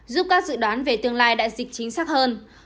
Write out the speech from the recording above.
giúp các dự đoán về tương lai đại dịch chính xác hơn